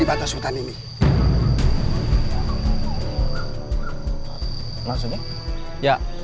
di sana suaranya